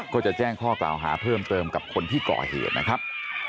ก็จะแจ้งข้อกล่าวหาเพิ่มเติมกับคนที่ก่อเหตุนะครับ